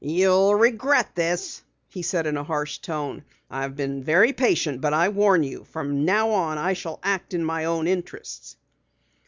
"You'll regret this!" he said in a harsh tone. "I've been very patient but I warn you! From now on I shall act in my own interests."